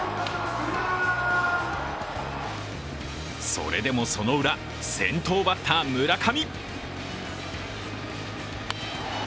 それでもそのウラ、先頭バッター・村上。